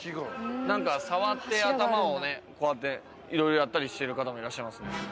何か触って頭をねこうやっていろいろやったりしてる方もいらっしゃいますね。